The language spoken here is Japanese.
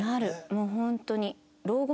もうホントに。